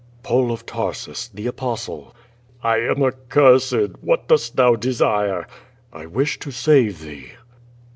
"Paul of Tarsus, the Apostle." "I am accuivod. What doest thou desire?" "I wish to save thee."